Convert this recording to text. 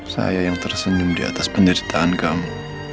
saya yang tersenyum diatas penderitaan kamu